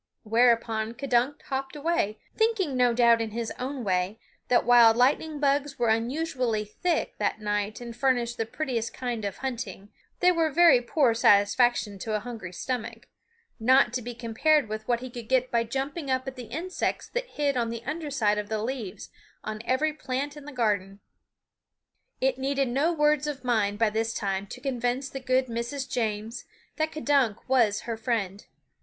Whereupon K'dunk hopped away, thinking, no doubt, in his own way, that while lightning bugs were unusually thick that night and furnished the prettiest kind of hunting, they were very poor satisfaction to a hungry stomach, not to be compared with what he could get by jumping up at the insects that hid on the under side of the leaves on every plant in the garden. It needed no words of mine by this time to convince the good Mrs. James that K'dunk was her friend.